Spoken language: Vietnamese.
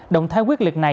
động thái quyết liệt này